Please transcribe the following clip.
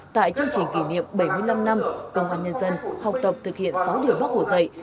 tại chương trình kỷ niệm bảy mươi năm năm công an nhân dân học tập thực hiện sáu điều bác hồ dạy